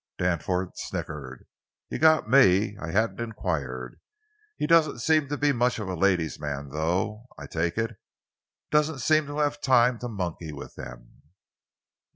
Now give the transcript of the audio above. Danforth snickered. "You've got me—I hadn't inquired. He doesn't seem to be much of a ladies' man, though, I take it. Doesn't seem to have time to monkey with them."